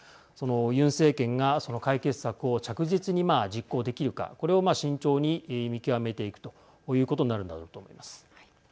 ユン政権がその解決策を着実に実行できるかこれを慎重に見極めていくということになるんだろうと思います。